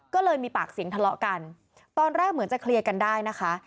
ก็เลยมีปากเสียงทะเลาะกันตอนแรกเหมือนจะเคลียร์กันได้นะคะ